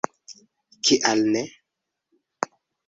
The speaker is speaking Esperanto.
Kial ne!